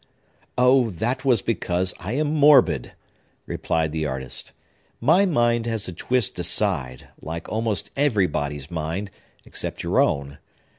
"Oh, that was because I am morbid!" replied the artist. "My mind has a twist aside, like almost everybody's mind, except your own.